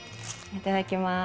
いただきます。